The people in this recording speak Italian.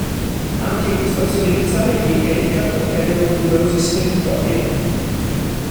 Anche in questa azione iniziale gli Hellcat ottennero numerosissime vittorie.